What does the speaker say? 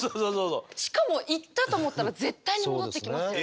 しかも行ったと思ったら絶対に戻ってきますよね。